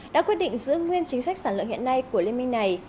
đã quyết định giữ nguyên chính sách sản lượng hiện nay của liên minh này